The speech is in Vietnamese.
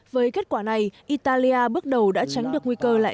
với kết quả này italia bước đầu đã tránh được nguy cơ lại rơi vào tàu